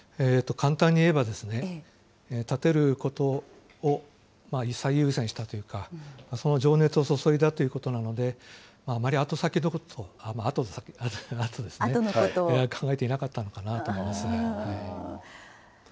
簡単に言えば建てることを最優先したというか、その情熱を注いだということなので、あまり後先のこと、まああとですね、考えていなかったのかなと思いますね。